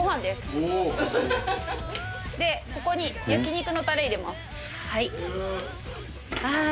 でここに焼肉のタレ入れます。